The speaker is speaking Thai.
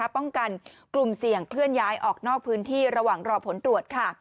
ป้องกันกลุ่มเสี่ยงเคลื่อนย้ายออกนอกพื้นที่ระหว่างรอผลตรวจ